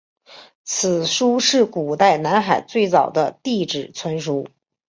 此书是古代南海最早的地志专书。